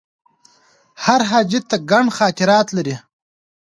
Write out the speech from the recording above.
هر حاجي ته ګڼ خاطرات لري.